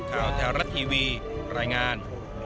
ข่าวแท้รัฐทีวีรายงาน